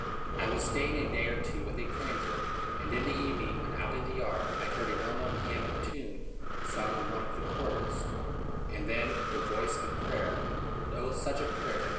I was staying a day or two with a planter, and in the evening, when out in the yard, I heard a well known hymn and tune sung in one of the "quarters," and then the voice of prayer; and O, such a prayer!